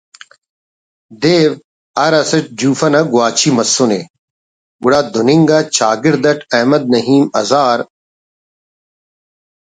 دیو ہر اسٹ جوفہ انا گواچی مسنے گڑا دن انگا چاگڑد اٹ احمد نعیم ہزار